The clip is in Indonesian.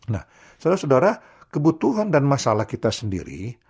nah saudara saudara kebutuhan dan masalah kita sendiri